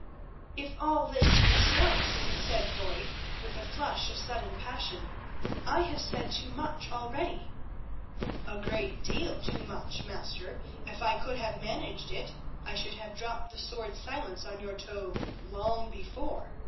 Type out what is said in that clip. "If all this be so," said Foy, with a flush of sudden passion, "I have said too much already." "A great deal too much, master. If I could have managed it I should have dropped the sword Silence on your toe long before.